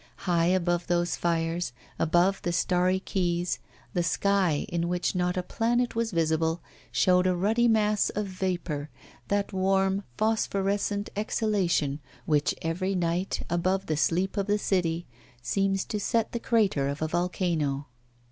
High above those fires, above the starry quays, the sky, in which not a planet was visible, showed a ruddy mass of vapour, that warm, phosphorescent exhalation which every night, above the sleep of the city, seems to set the crater of a volcano.